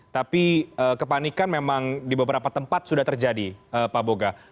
tapi kepanikan memang di beberapa tempat sudah terjadi pak boga